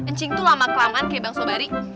encing tuh lama kelamaan kayak bang sobari